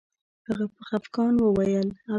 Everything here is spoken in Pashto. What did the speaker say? هغه په خفګان وویل